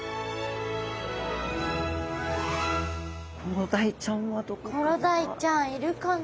コロダイちゃんはどこかな？